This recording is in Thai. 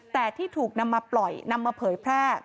แต่ที่ถูกนำมาปล่อยนำมาเผยแพร่